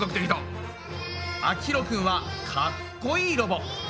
あきひろくんはかっこいいロボ。